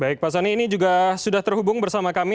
baik pak soni ini juga sudah terhubung bersama kami